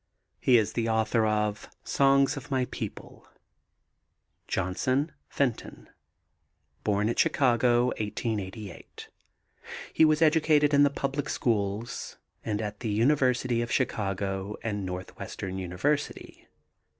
He is the author of Songs of My People. JOHNSON, FENTON. Born at Chicago, 1888. He was educated in the public schools and at the University of Chicago and Northwestern University.